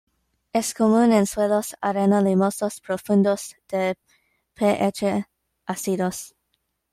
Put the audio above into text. Es común en suelos areno-limosos, profundos, de pH ácidos.